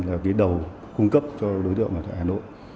là đầu cung cấp cho đối tượng ở hà nội